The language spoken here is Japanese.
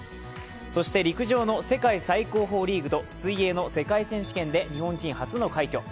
そして、陸上の世界最高峰リーグと水泳の世界選手権で日本人初の快挙。